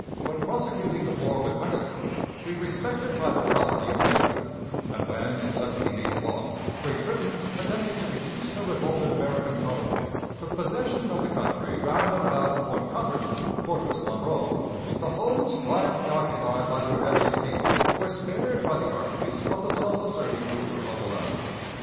When prosecuting the war with Mexico, we respected private property of the enemy; and when in 1781 Great Britain, attempting to reduce her revolted American colonies, took possession of the country round and about Point Comfort (Fortress Monroe), the homes quietly occupied by the rebellious people were spared by the armies of the self asserting ruler of the land.